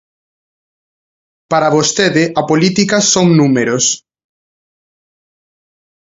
Para vostede a política son números.